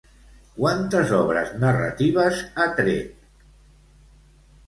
Quantes obres narratives ha tret?